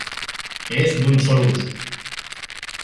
És d'un sol ús.